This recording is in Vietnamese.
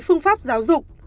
phương pháp giáo dục